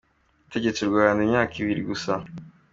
Yategetse u Rwanda imyaka ibiri gusa.